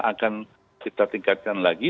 akan kita tingkatkan lagi